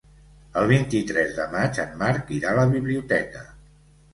El vint-i-tres de maig en Marc irà a la biblioteca.